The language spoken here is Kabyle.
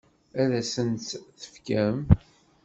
Ad asen-tt-tefkem?